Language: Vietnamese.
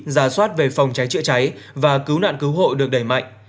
giả soát về phòng cháy chữa cháy và cứu nạn cứu hộ được đẩy mạnh